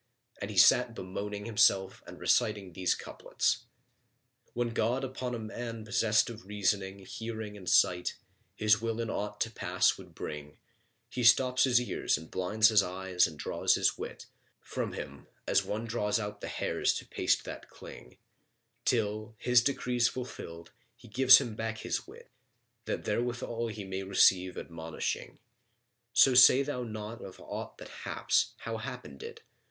And he sat bemoaning himself and reciting these couplets, "When God upon a man possessed of reasoning, Hearing and sight His will in aught to pass would bring, He stops his ears and blinds his eyes and draws his wit, From him, as one draws out the hairs to paste that cling; Till, His decrees fulfilled, He gives him back His wit, That therewithal he may receive admonishing. So say thou not of aught that haps, 'How happened it?'